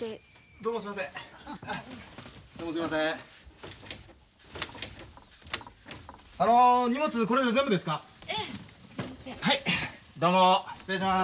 どうも失礼します。